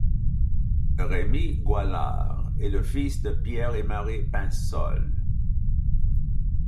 Rémy Goalard est le fils de Pierre et Marie Pinsolle.